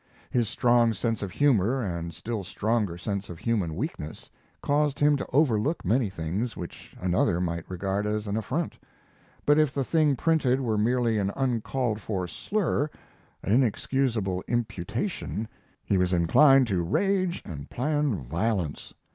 His strong sense of humor, and still stronger sense of human weakness, caused him to overlook many things which another might regard as an affront; but if the thing printed were merely an uncalled for slur, an inexcusable imputation, he was inclined to rage and plan violence.